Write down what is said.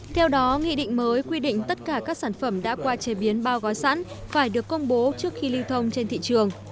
theo đó nghị định mới quy định tất cả các sản phẩm đã qua chế biến bao gói sẵn phải được công bố trước khi lưu thông trên thị trường